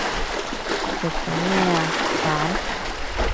食咗咩啊？飯